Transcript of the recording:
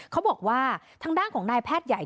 เขาบอกว่าทางด้านของนายแพทย์ใหญ่